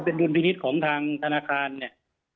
เป็นดุลพินิษฐ์ของทางธนาคารเนี่ย